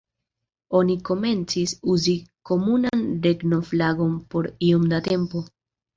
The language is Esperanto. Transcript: Oni komencis uzi komunan regno-flagon por iom da tempo.